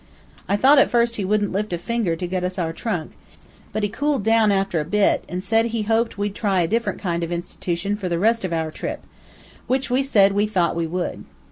I thought at first he wouldn't lift a finger to get us our trunk; but he cooled down after a bit, an' said he hoped we'd try some different kind of institution for the rest of our trip, which we said we thought we would.